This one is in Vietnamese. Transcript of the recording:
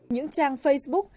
những trang facebook